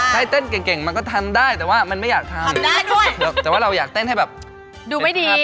ถ้าเต้นเก่งมันก็ทันได้แต่ว่ามันไม่อยากทันแต่ว่าเราอยากเต้นให้แบบดูไม่ดี